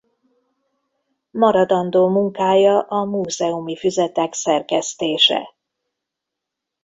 Maradandó munkája a Múzeumi Füzetek szerkesztése.